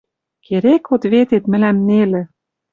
Керек ответет мӹлӓм нелӹ